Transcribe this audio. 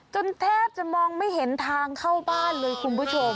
แทบจะมองไม่เห็นทางเข้าบ้านเลยคุณผู้ชม